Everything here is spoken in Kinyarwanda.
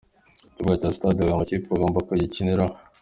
Ikibuga cya sitade Huye amakipe agomba gukiniraho.